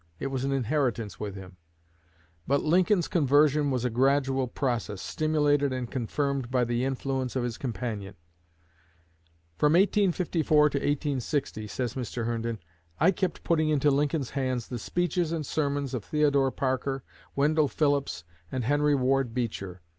It was an inheritance with him; but Lincoln's conversion was a gradual process, stimulated and confirmed by the influence of his companion. "From 1854 to 1860," says Mr. Herndon, "I kept putting into Lincoln's hands the speeches and sermons of Theodore Parker, Wendell Phillips, and Henry Ward Beecher.